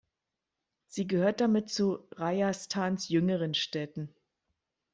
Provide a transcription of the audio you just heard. Sie gehört damit zu Rajasthans jüngeren Städten.